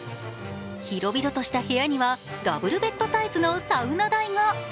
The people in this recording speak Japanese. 広々とした部屋にはダブルベッドサイズのサウナ台が。